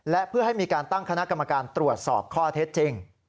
และเพื่อให้มีการตั้งคณะกรรมการตรวจสอบข้อเท็จจริง